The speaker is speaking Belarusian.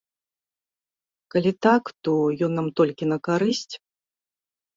Калі так, то ён нам толькі на карысць?